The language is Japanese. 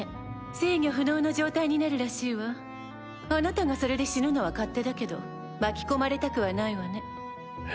制御不能の状態になるらしいわあなたがそれで死ぬのは勝手だけど巻き込まれたくはないわね